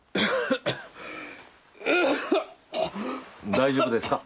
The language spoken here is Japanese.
大丈夫ですか？